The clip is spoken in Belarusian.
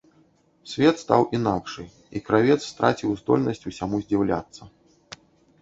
Свет стаў інакшы, і кравец страціў здольнасць усяму здзіўляцца.